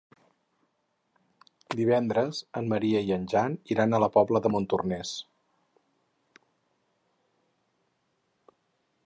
Divendres en Maria i en Jan iran a la Pobla de Montornès.